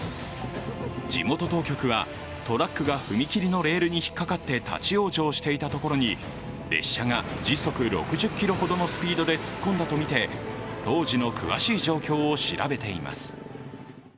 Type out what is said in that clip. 地元当局はトラックが踏切のレースに引っかかって立往生していたところに列車が時速６０キロほどのスピードでつっこんだとみて当時の詳しい状況を調べています。